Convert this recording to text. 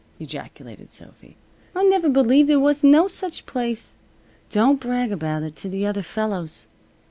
ejaculated Sophy. "I never believed there was no such place. Don't brag about it to the other fellows."